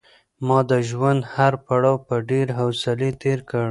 ما د ژوند هر پړاو په ډېرې حوصلې تېر کړ.